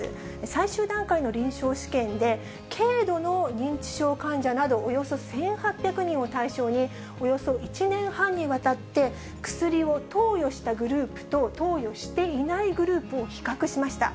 最終段階の臨床試験で、軽度の認知症患者などおよそ１８００人を対象に、およそ１年半にわたって薬を投与したグループと投与していないグループを比較しました。